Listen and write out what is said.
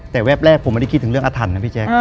แต่แวบแรกผมไม่ได้คิดถึงเรื่องอาถรรพ์นะพี่แจ๊ค